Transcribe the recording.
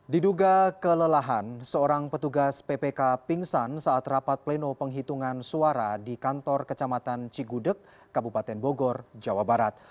diduga kelelahan seorang petugas ppk pingsan saat rapat pleno penghitungan suara di kantor kecamatan cigudeg kabupaten bogor jawa barat